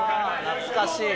懐かしい。